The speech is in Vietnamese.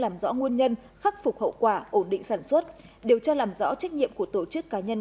làm rõ nguồn nhân khắc phục hậu quả ổn định sản xuất điều tra làm rõ trách nhiệm của tổ chức cá nhân